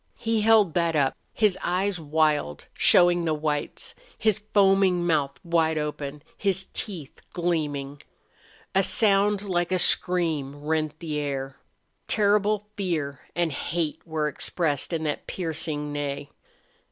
He held that up, his eyes wild, showing the whites, his foaming mouth wide open, his teeth gleaming. A sound like a scream rent the air. Terrible fear and hate were expressed in that piercing neigh.